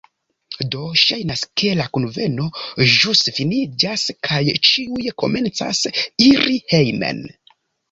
Do, ŝajnas, ke la kunveno ĵus finiĝas kaj ĉiuj komencas iri hejmen